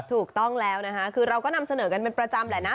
ถูกต้องแล้วนะคะคือเราก็นำเสนอกันเป็นประจำแหละนะ